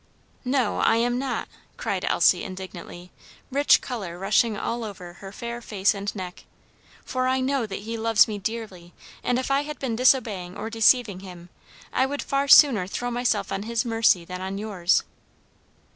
"No, I am not!" dried Elsie indignantly, rich color rushing all over her fair face and neck; "for I know that he loves me dearly and if I had been disobeying or deceiving him I would far sooner throw myself on his mercy than on yours."